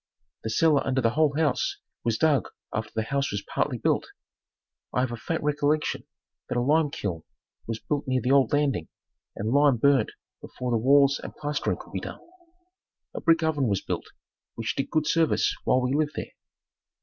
The cellar under the whole house was dug after the house was partly built. I have a faint recollection that a limekiln was built near the old landing and lime burnt before the walls and plastering could be done. A brick oven was built, which did good service while we lived there.